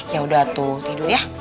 yaudah tuh tidur ya